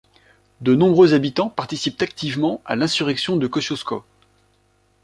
De nombreux habitants participent activement à l’Insurrection de Kościuszko.